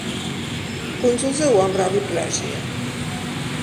კუნძულზე უამრავი პლაჟია.